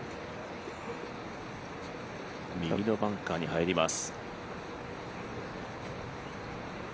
右のバンカーに入ります。